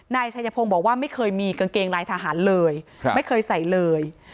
นายชัยพงศ์บอกว่าไม่เคยมีกางเกงลายทหารเลยไม่เคยใส่เลย